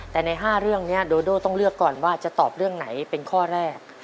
แต่ใน๕เรื่องนี้โดโดต้องเลือกก่อนว่าจะตอบเรื่องไหนเป็นข้อแรก